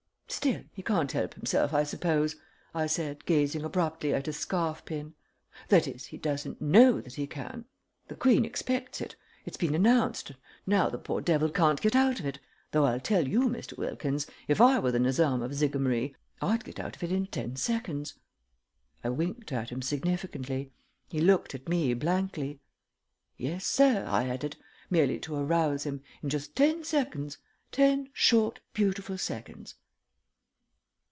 "Still, he can't help himself, I suppose," I said, gazing abruptly at his scarf pin. "That is, he doesn't KNOW that he can. The Queen expects it. It's been announced, and now the poor devil can't get out of it though I'll tell you, Mr. Wilkins, if I were the Nizam of Jigamaree, I'd get out of it in ten seconds." I winked at him significantly. He looked at me blankly. "Yes, sir," I added, merely to arouse him, "in just ten seconds! Ten short, beautiful seconds."